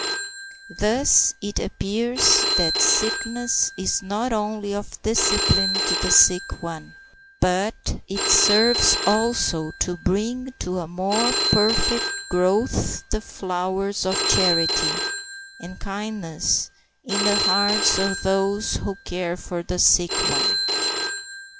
Thus it appears that sickness is not only of discipline to the sick one, but it serves also to bring to a more perfect growth the flowers of charity and kindness in the hearts of those who care for the sick one.